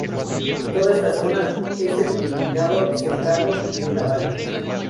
Toda esta zona es el denominado Secano de Lavalle.